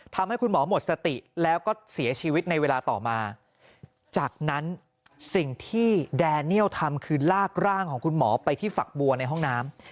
ทำให้คุณหมอหมดสติแล้วก็เสียชีวิตในเวลาต่อมาจากนั้นสิ่งที่แดเนียลทำคือลากร่างของคุณหมอไปที่ฝักบัวในห้องน้ำ